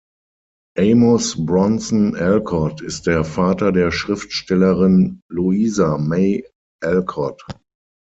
Amos Bronson Alcott ist der Vater der Schriftstellerin Louisa May Alcott.